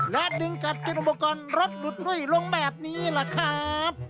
และดิงกับจิตอุปกรณ์รถดูดลุ้ยลงแบบนี้แหละครับ